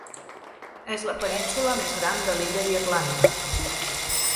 És la península més gran de l'illa d'Irlanda.